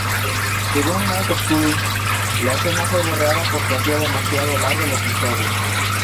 Según Mike Scully, la escena fue borrada porque hacía demasiado largo el episodio.